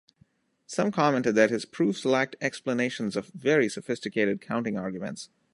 Some commented that his proofs lacked explanations of very sophisticated counting arguments.